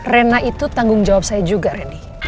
rena itu tanggung jawab saya juga reny